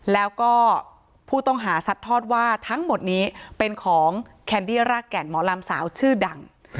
แล้วก็ผู้ต้องหาซัดทอดว่าทั้งหมดนี้เป็นของแคนดี้รากแก่นหมอลำสาวชื่อดัง